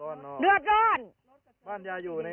ทำให้เกิดปัชฎพลลั่นธมเหลืองผู้สื่อข่าวไทยรัฐทีวีครับ